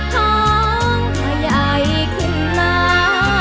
ข้าใหญ่ขึ้นมา